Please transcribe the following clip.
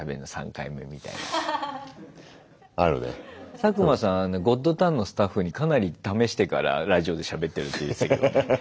佐久間さん「ゴッドタン」のスタッフにかなり試してからラジオでしゃべってるって言ってたけどね。